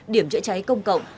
điểm trịa cháy công cộng